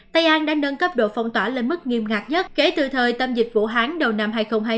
tây an đã nâng cấp độ phong tỏa lên mức nghiêm ngạc nhất kể từ thời tâm dịch vũ hán đầu năm hai nghìn hai mươi